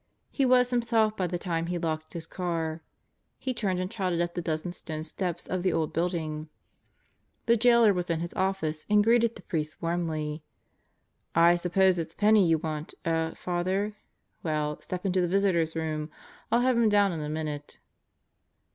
He was himself by the time he locked his car; he turned and trotted up the dozen stone steps of the old building. The Jailor was in his office and greeted the priest warmly. "I suppose it's Penney you want, eh, Father? Well, step into the Visitors' Room. I'll have him down in a minute."